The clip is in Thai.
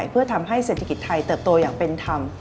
เพื่อทำให้เศรษฐกิจไทยเติบโตอย่างเป็นธรรม